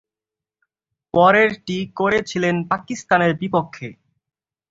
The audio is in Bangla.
পরেরটি করেছিলেন পাকিস্তানের বিপক্ষে।